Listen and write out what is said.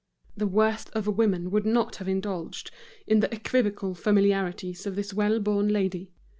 The worst of women would not have indulged in the equivocal familiarities of this well born lady.